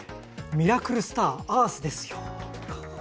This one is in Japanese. ミラクルスターアースですよ。